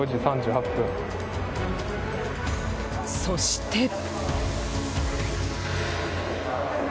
そして。